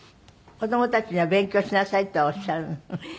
子供たちには勉強しなさいとはおっしゃる？